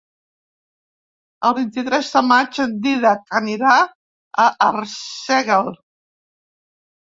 El vint-i-tres de maig en Dídac anirà a Arsèguel.